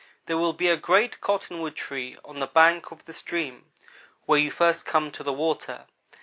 There will be a great cottonwood tree on the bank of the stream where you first come to the water.